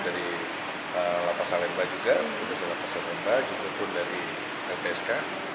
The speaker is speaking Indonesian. tadi didampingi juga dari lapa salemba juga juga dari mpsk